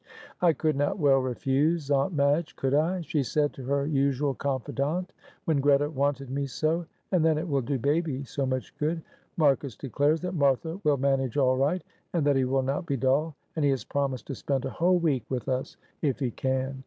"I could not well refuse, Aunt Madge, could I?" she said to her usual confidante, "when Greta wanted me so; and then it will do baby so much good. Marcus declares that Martha will manage all right, and that he will not be dull; and he has promised to spend a whole week with us if he can.